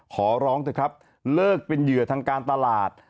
ขอร้องเลิกเป็นเหยื่อทางการตลาด